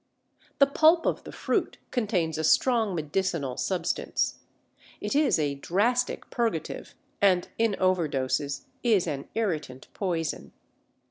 The pulp of the fruit contains a strong medicinal substance; it is a drastic purgative, and in overdoses is an irritant poison.